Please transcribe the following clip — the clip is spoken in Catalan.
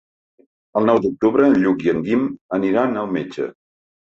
El nou d'octubre en Lluc i en Guim aniran al metge.